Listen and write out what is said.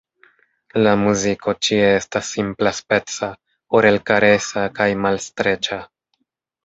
La muziko ĉie estas simplaspeca, orelkaresa kaj malstreĉa.